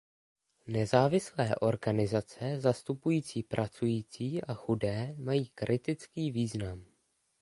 Nezávislé organizace zastupující pracující a chudé mají kritický význam.